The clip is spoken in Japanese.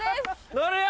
乗るよ！